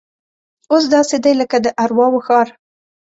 اوس داسې دی لکه د ارواو ښار.